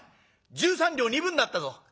十三両二分になったぞ」。